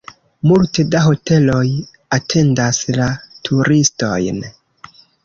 Multe da hoteloj atendas la turistojn.